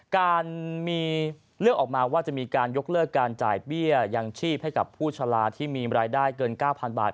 การมีเลือกออกมาว่าจะมีการยกเลิกการจ่ายเบี้ยยังชีพให้กับผู้ชะลาที่มีรายได้เกิน๙๐๐บาท